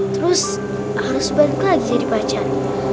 terus harus balik lagi jadi pacar